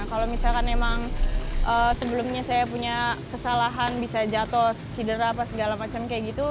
kalau misalkan emang sebelumnya saya punya kesalahan bisa jatuh cedera apa segala macam kayak gitu